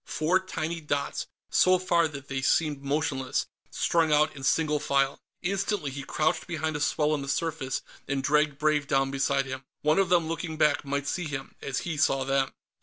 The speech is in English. Four tiny dots, so far that they seemed motionless, strung out in single file. Instantly, he crouched behind a swell in the surface and dragged Brave down beside him. One of them, looking back, might see him, as he saw them.